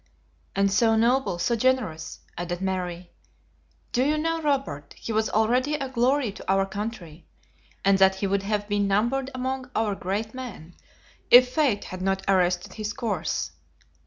"And so noble, so generous!" added Mary. "Do you know, Robert, he was already a glory to our country, and that he would have been numbered among our great men if fate had not arrested his course."